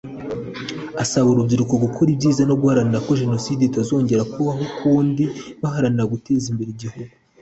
Asaba urubyiruko gukora ibyiza no guharanira ko Jenoside itazongera kubaho ukundi baharanira guteza imbere igihugu